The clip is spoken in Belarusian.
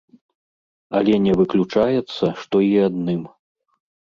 Але не выключаецца, што і адным.